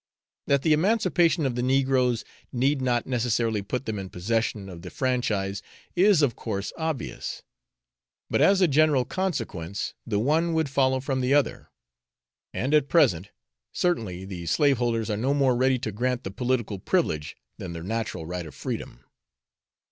That the emancipation of the negroes need not necessarily put them in possession of the franchise is of course obvious, but as a general consequence the one would follow from the other; and at present certainly the slaveholders are no more ready to grant the political privilege than the natural right of freedom.